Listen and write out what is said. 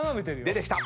出てきた。